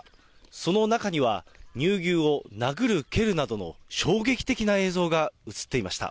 その中には、乳牛を殴る、蹴るなどの衝撃的な映像が映っていました。